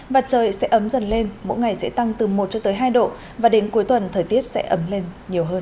và trời sẽ ấm dần lên mỗi ngày sẽ tăng từ một cho tới hai độ và đến cuối tuần thời tiết sẽ ấm lên nhiều hơn